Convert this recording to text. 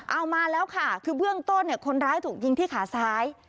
เอามาแล้วค่ะคือเบื้องต้นเนี่ยคนร้ายถูกยิงที่ขาซ้าย